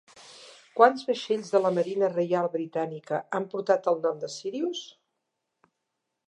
Quants vaixells de la Marina Reial Britànica han portat el nom de Sírius?